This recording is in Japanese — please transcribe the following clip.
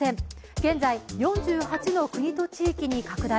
現在、４８の国と地域に拡大。